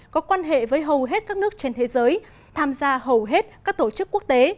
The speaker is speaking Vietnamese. có quan hệ với hầu hết các nước trên thế giới tham gia hầu hết các tổ chức quốc tế